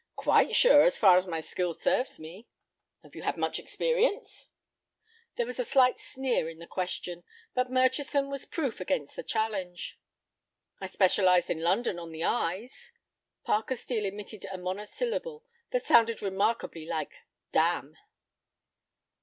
"Quite sure, as far as my skill serves me." "Have you had much experience?" There was a slight sneer in the question, but Murchison was proof against the challenge. "I specialized in London on the eyes." Parker Steel emitted a monosyllable that sounded remarkably like "damn."